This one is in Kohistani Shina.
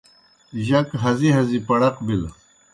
جک ہزی ہزی پڑق بِلہ۔